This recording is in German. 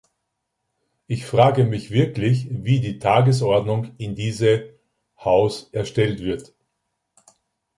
Ich frage mich wirklich, wie die Tagesordnung in diese Haus erstellt wird.